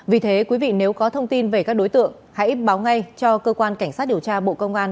vì thế quý vị nếu có thông tin về các đối tượng hãy báo ngay cho cơ quan cảnh sát điều tra bộ công an